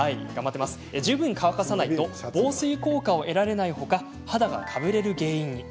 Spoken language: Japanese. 十分に乾かさないと防水効果を得られないほか肌が、かぶれる原因に。